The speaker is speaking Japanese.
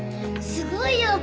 すごいよ！